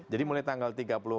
jadi mulai tanggal tiga puluh